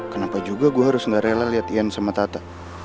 kenapa juga gue harus gak rela lihat ian sama tata